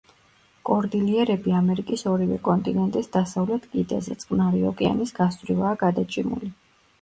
კორდილიერები ამერიკის ორივე კონტინენტის დასავლეთ კიდეზე, წყნარი ოკეანის გასწვრივაა გადაჭიმული.